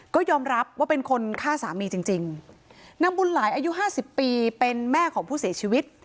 ก็ยอมรับว่าเป็นคนฆ่าสามีจริงจริงนางบุญหลายอายุห้าสิบปีเป็นแม่ของผู้เสียชีวิต